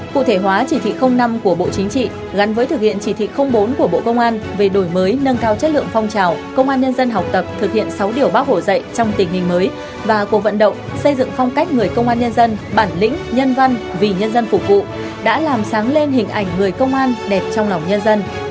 cụ thể hóa chỉ thị năm của bộ chính trị gắn với thực hiện chỉ thị bốn của bộ công an về đổi mới nâng cao chất lượng phong trào công an nhân dân học tập thực hiện sáu điều bác hồ dạy trong tình hình mới và cuộc vận động xây dựng phong cách người công an nhân dân bản lĩnh nhân văn vì nhân dân phục vụ đã làm sáng lên hình ảnh người công an đẹp trong lòng nhân dân